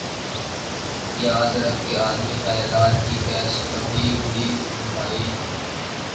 آ۔ یاد رکھ کہ آدمی خیالات کی قید سے کبھی بھی رہائ